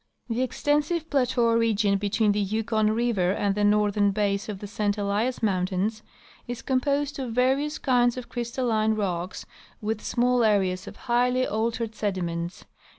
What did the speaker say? The extensive plateau region between the Yukon river and the northern base of the St Elias mountains is composed of various kinds of crystalline rocks with small areas of highly altered sedi ments.